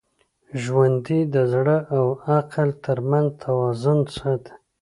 ژوندي د زړه او عقل تر منځ توازن ساتي